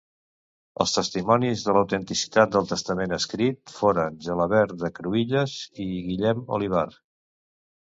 Els testimonis de l'autenticitat del testament escrit, foren Gelabert de Cruïlles i Guillem Olivar.